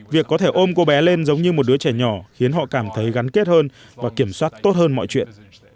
việc có thể ôm cô bé lên giống như một đứa trẻ nhỏ khiến họ cảm thấy gắn kết hơn và kiểm soát tốt hơn mọi chuyện